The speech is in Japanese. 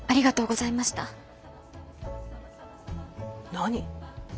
何？